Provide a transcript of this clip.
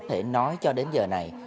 thể nói cho đến giờ này